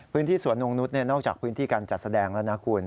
พื้นที่สวนนงนุษย์นอกจากพื้นที่การจัดแสดงแล้วนะคุณ